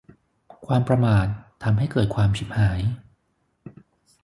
ความประมาททำให้เกิดความฉิบหาย